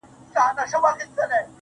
ددې ښايستې نړۍ بدرنگه خلگ.